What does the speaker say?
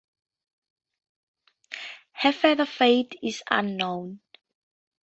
Her further fate is unknown.